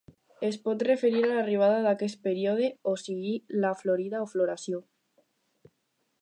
Es pot referir a l'arribada d'aquest període, o sigui, la florida o floració.